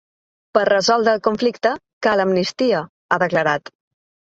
Per resoldre el conflicte, cal amnistia, ha declarat.